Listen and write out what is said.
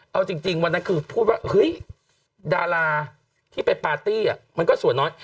เอาจริงวันนั้นคือพูดว่าเฮ้ยดาราที่ไปปาร์ตี้มันก็ส่วนน้อย